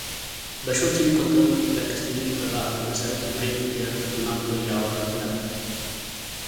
በሺዎች የሚቆጠሩ ለቀስተኞች በባህሉ መሠረት መሬቱን እየረገጡ እና ሙሾ ያወርዱ ነበር።